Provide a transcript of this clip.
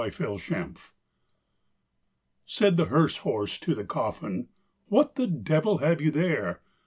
THE HEARSE HORSE. Said the hearse horse to the coffin, "What the devil have you there?